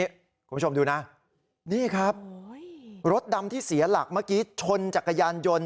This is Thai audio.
คุณผู้ชมดูนะนี่ครับรถดำที่เสียหลักเมื่อกี้ชนจักรยานยนต์